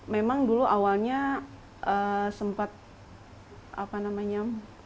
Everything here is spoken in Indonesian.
memang dulu awalnya sempat apa namanya